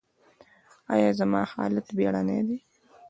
ایا زما حالت بیړنی دی؟